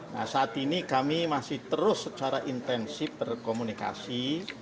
nah saat ini kami masih terus secara intensif berkomunikasi